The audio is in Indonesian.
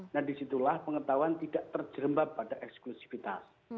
nah disitulah pengetahuan tidak terjerembab pada eksklusifitas